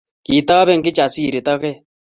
Kitoben Kijasiri toget